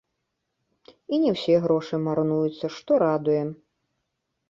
І не ўсе грошы марнуюцца, што радуе.